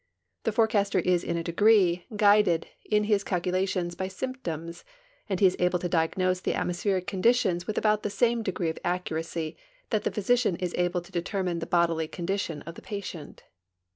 The forecaster is in a degree guided in his calculations by sj'mptoms, and he is able to diagnose the atmospheric conditions with about the same degree of accuracy that the physician is able to determine the bodily condition of the i)atient.